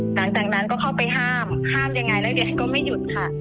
หลังจากนั้นก็เข้าไปห้ามห้ามยังไงนักเรียนก็ไม่หยุดค่ะ